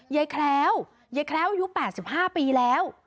แคล้วยายแคล้วอายุ๘๕ปีแล้ว